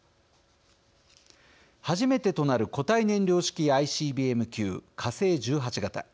初めてとなる固体燃料式ＩＣＢＭ級火星１８型。